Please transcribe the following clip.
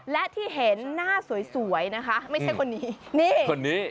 และที่เห็นหน้าสวยนะคะไม่ใช่คนนี้